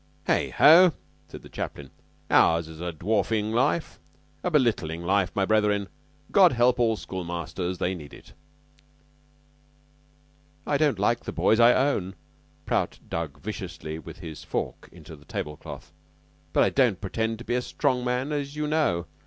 "Heigho!" said the chaplain. "Ours is a dwarfing life a belittling life, my brethren. God help all schoolmasters! They need it." "I don't like the boys, I own" Prout dug viciously with his fork into the table cloth "and I don't pretend to be a strong man, as you know.